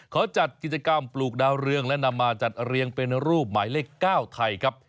เขาจัดกิจกรรมปลูกดาวเรืองและนำมาจัดเรียงเป็นรูปหมายเลข๙ไทยครับ